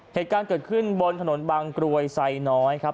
เหตุการณ์เกิดขึ้นบนถนนบางกรวยไซน้อยครับ